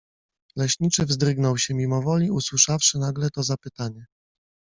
Leśniczy wzdrygnął się mimo woli, usłyszawszy nagle to zapytanie.